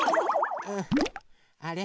あれ？